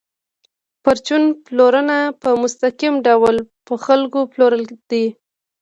پرچون پلورنه په مستقیم ډول په خلکو پلورل دي